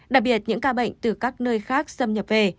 đặc biệt những ca bệnh từ các nơi khác xâm nhập về